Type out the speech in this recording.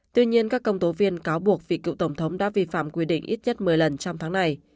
tuy nhiên các công tố viên cáo buộc vị cựu tổng thống đã vi phạm quy định ít nhất một mươi lần trong tháng này